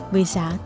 với giá tám đồng